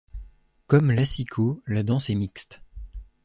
Comme l'assiko, la danse est mixte.